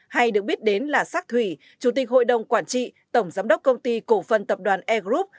hay được biết đến là sắc thủy chủ tịch hội đồng quản trị tổng giám đốc công ty cổ phần tập đoàn air group